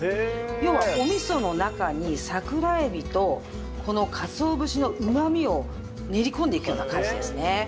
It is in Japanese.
要はお味噌の中に桜エビとかつお節のうまみを練り込んでいくような感じですね。